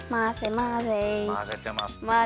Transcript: まぜてます。